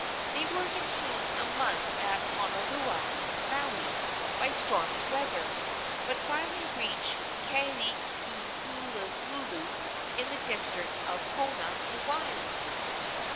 They were detained a month at Honuaula, Maui, by stormy weather, but finally reached Kaelehuluhulu, in the district of Kona, Hawaii.